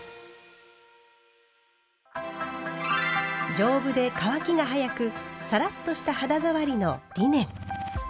丈夫で乾きが早くサラッとした肌触りのリネン。